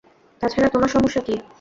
তাছাড়া, তোমার সমস্যা কী?